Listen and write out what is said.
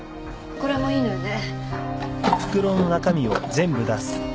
これもいいのよね。